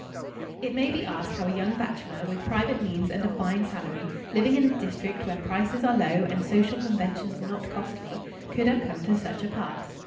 It may be asked how a young bachelor, with private means and a fine salary, living in a district where prices are low and social conventions not costly, could have come to such a pass.